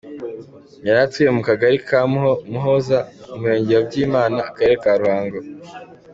Yari atuye mu Kagari ka Muhoza, Umurenge wa Byimana, Akarere ka Ruhango.